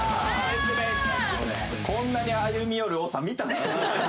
こんなに歩み寄るＯＳＡ見たことない。